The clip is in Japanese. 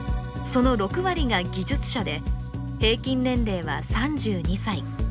その６割が技術者で平均年齢は３２歳。